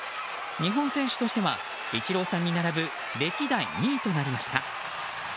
日本選手としてはイチローさんに並ぶ歴代２位となりました。